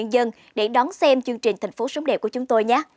dân để đón xem chương trình thành phố sống đẹp của chúng tôi nhé